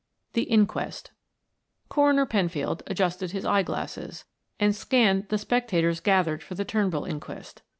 THE INQUEST Coroner Penfield adjusted his eyeglasses and scanned the spectators gathered for the Turnbull inquest.